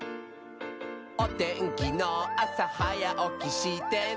「おてんきのあさはやおきしてね」